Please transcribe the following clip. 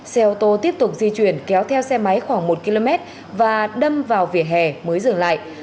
xe ô tô tiếp tục di chuyển kéo theo xe máy khoảng một km và đâm vào vỉa hè mới dừng lại